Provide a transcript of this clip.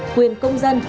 quyền công dân